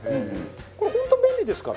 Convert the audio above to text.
これ本当便利ですから。